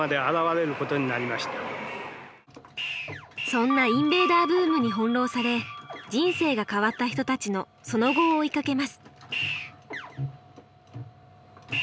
そんなインベーダーブームに翻弄され人生が変わった人たちのその後を追いかけます。